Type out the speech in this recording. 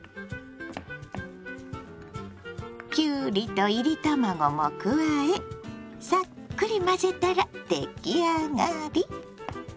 きゅうりといり卵も加えさっくり混ぜたら出来上がり。